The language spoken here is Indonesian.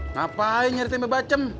ngapain nyari tempe bacem